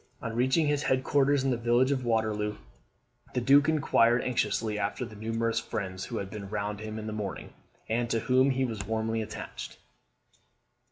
On reaching his head quarters in the village of Waterloo, the Duke inquired anxiously after the numerous friends who had been round him in the morning, and to whom he was warmly attached.